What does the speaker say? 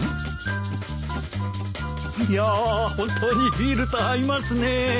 いやホントにビールと合いますね。